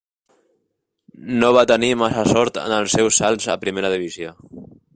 No va tenir massa sort en els seus salts a primera divisió.